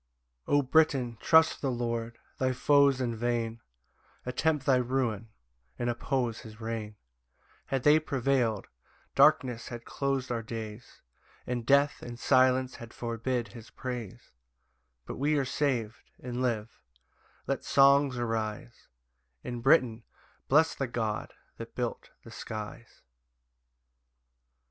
6 O Britain, trust the Lord: thy foes in vain Attempt thy ruin, and oppose his reign; Had they prevail'd, darkness had clos'd our days, And death and silence had forbid his praise; But we are sav'd, and live: let songs arise, And Britain bless the God that built the skies.